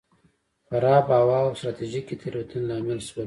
خرابه هوا او ستراتیژیکې تېروتنې لامل شول.